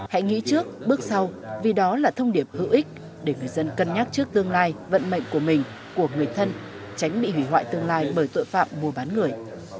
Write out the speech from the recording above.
hãy nghĩ trước bước sau vì đó là thông điệp hữu ích để người dân cân nhắc trước tương lai vận mệnh của mình của người thân tránh bị hủy hoại tương lai bởi tội phạm mua bán người